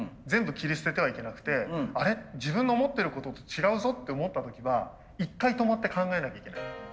全部切り捨ててはいけなくて「あれ？自分の思ってることと違うぞ」って思った時は一回止まって考えなきゃいけない。